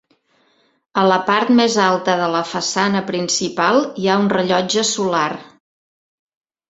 A la part més alta de la façana principal hi ha un rellotge solar.